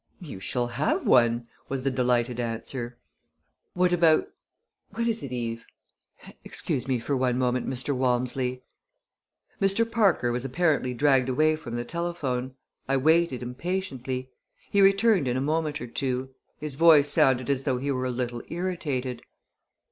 "You shall have one," was the delighted answer. "What about What is it, Eve? Excuse me for one moment, Mr. Walmsley." Mr. Parker was apparently dragged away from the telephone. I waited impatiently. He returned in a moment or two. His voice sounded as though he were a little irritated.